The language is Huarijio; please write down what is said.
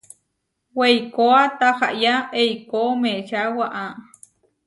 Weikóa tahayá eikó meča waá.